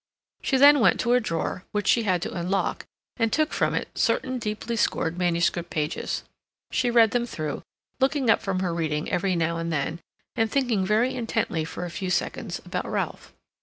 She then went to a drawer, which she had to unlock, and took from it certain deeply scored manuscript pages. She read them through, looking up from her reading every now and then and thinking very intently for a few seconds about Ralph.